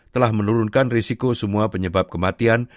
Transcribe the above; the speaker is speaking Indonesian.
telah menurunkan risiko semua penyebab kematian